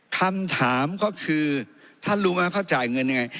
คำถามก็คือท่านรู้ไหมเขาจ่ายเงินยังไง